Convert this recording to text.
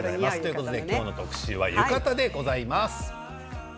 今日の特集は浴衣でございます。